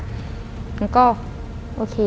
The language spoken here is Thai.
แล้วก็โอเค